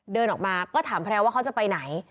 เดินออกมาก็ถามแพรวว่าเขาจะไปไหน